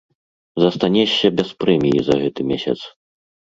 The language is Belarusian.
Застанешся без прэміі за гэты месяц!